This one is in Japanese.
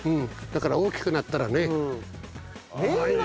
だから大きくなったらね。